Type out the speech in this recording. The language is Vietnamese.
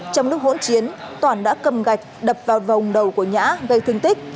trong lúc hỗn chiến toản đã cầm gạch đập vào vòng đầu của nhã gây thương tích